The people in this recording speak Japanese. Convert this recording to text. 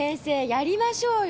やりましょうよ。